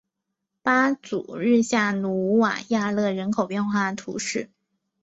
巴祖日下努瓦亚勒人口变化图示